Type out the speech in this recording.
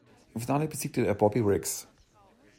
Im Finale besiegte er Bobby Riggs.